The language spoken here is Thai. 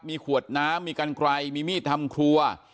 มีขวดน้ำมีกันไกลมีมีดทำครัว